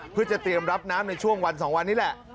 เพื่อจะเตรียมรับน้ำในช่วงวัน๒วันนี้แหละ